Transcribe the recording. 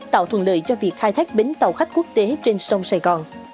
tạo thuận lợi cho việc khai thác bến tàu khách quốc tế trên sông sài gòn